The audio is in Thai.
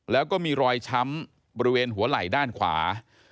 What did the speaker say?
แล้วก็มีรอยช้ำบริเวณหัวไหล่ด้านขวา